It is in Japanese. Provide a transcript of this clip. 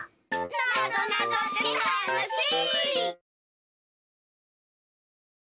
なぞなぞってたのしい！